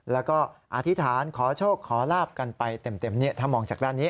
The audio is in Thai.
แล้วก็อธิษฐานขอโชคขอลาบกันไปเต็มถ้ามองจากด้านนี้